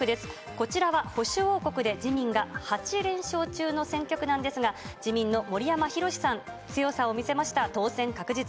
こちらは保守王国で自民が８連勝中の選挙区なんですが、自民の森山裕さん、強さを見せました、当選確実。